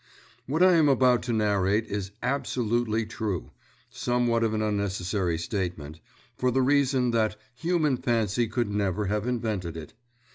What I am about to narrate is absolutely true somewhat of an unnecessary statement, for the reason that human fancy could never have invented it.